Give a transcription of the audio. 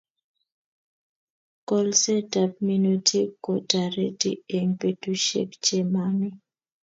Kolset ab minutik ko tareti eng petushek che mami